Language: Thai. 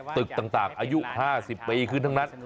ตึกต่างอายุ๕๐ปีขึ้นทั้งนั้น